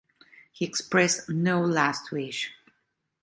He expressed no "last wish".